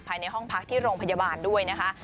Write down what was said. ภายในห้องพักที่โรงพยาบาลด้วยนะคะ